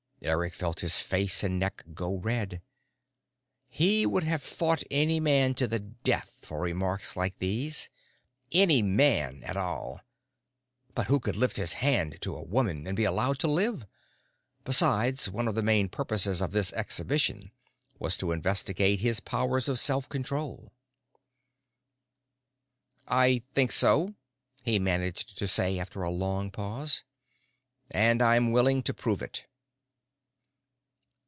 Eric felt his face and neck go red. He would have fought any man to the death for remarks like these. Any man at all. But who could lift his hand to a woman and be allowed to live? Besides, one of the main purposes of this exhibition was to investigate his powers of self control. "I think so," he managed to say after a long pause. "And I'm willing to prove it."